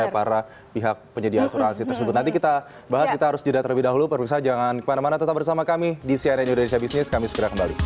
karena pihak penyedia asuransi tersebut nanti kita bahas kita harus juda terlebih dahulu perusahaan jangan kemana mana tetap bersama kami di cnn indonesia business kami segera kembali